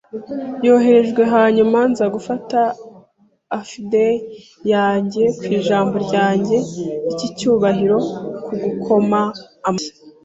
yoherejwe, hanyuma nzaguha affy-davy yanjye, ku ijambo ryanjye ry'icyubahiro, kugukoma amashyi